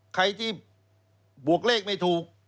ใครที่บวกเลขไม่ถูก